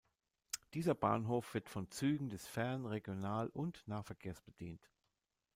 Dieser Bahnhof wird von Zügen des Fern-, Regional- und Nahverkehrs bedient.